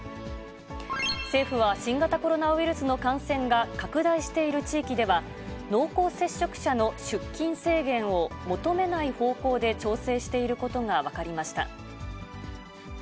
政府は、新型コロナウイルスの感染が拡大している地域では、濃厚接触者の出勤制限を求めない方向で調整していることが分かりました。